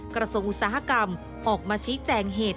กระทรวงอุตสาหกรรมออกมาชี้แจงเหตุ